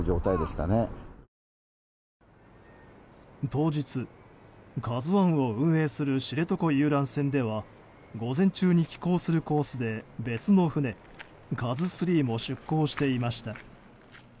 当日、「ＫＡＺＵ１」を運営する知床遊覧船では午前中に帰港するコースで別の船、「ＫＡＺＵ３」も出航していました。